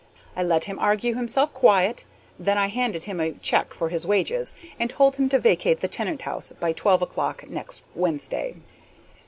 I let him argue himself quiet, then I handed him a check for his wages, and told him to vacate the tenant house by twelve o'clock next Wednesday.